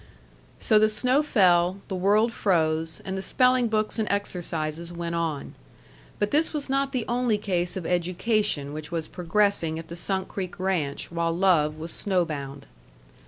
So the snow fell, the world froze, and the spelling books and exercises went on. But this was not the only case of education which was progressing at the Sunk Creek Ranch while love was snowbound.